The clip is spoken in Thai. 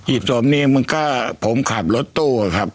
สมนี้มันก็ผมขับรถตู้ครับ